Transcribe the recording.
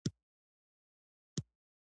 ایا زه د اعصابو ګولۍ وخورم؟